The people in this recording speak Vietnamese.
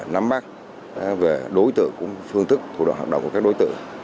nắm bắt về đối tượng phương thức thủ đoạn hoạt động của các đối tượng